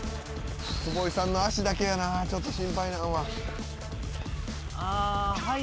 坪井さんの足だけやなちょっと心配なんは。